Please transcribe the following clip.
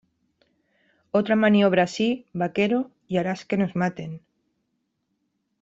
Otra maniobra así , vaquero , y harás que nos maten .